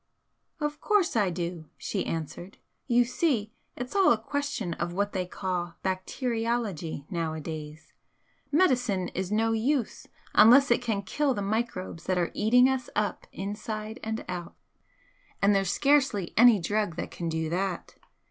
"Of course I do!" she answered "You see, it's all a question of what they call bacteriology nowadays. Medicine is no use unless it can kill the microbes that are eating us up inside and out. And there's scarcely any drug that can do that.